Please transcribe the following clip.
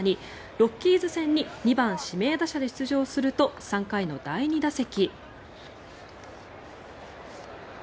ロッキーズ戦に２番指名打者で出場すると３回の第２打席。